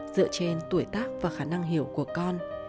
dựa trên tuổi tác và khả năng hiểu của con